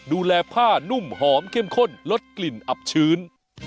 ดูแลผ้านุ่มหอมเข้มข้นลดกลิ่นอับชื้น